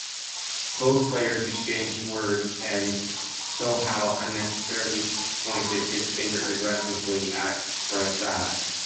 Both players exchanged words, and Sohail unnecessarily pointed his finger aggressively at Prasad.